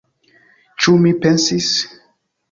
Ĉu mi pensis?